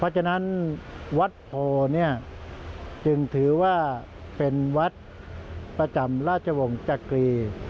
เพราะฉะนั้นวัดโพเนี่ยจึงถือว่าเป็นวัดประจำราชวงศ์จักรี